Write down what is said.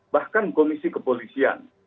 bahkan komisi kepolisian